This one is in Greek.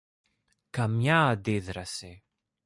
Καμιά αντίδραση